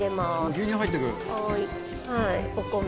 牛乳入ってく。